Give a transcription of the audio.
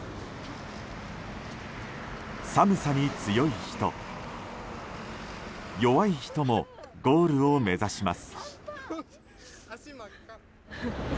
寒さに強い人、弱い人もゴールを目指します。